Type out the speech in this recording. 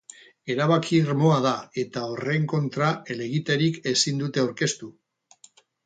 Erabaki irmoa da eta horren kontra helegiterik ezin dute aurkeztu.